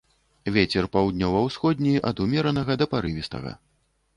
Вецер паўднёва-ўсходні ад умеранага да парывістага.